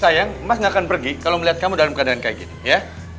sayang mas gak akan pergi kalau melihat kamu dalam keadaan kayak gini ya